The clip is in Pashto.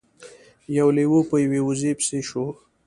یو لیوه په یوې وزې پسې شو.